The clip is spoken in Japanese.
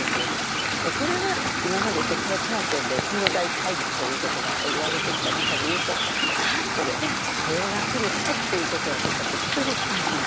これは今まで鉄のカーテンで東西対立ということがいわれてきた中で言うとああこれで平和が来るわねっていうことを私たちはとても期待しました。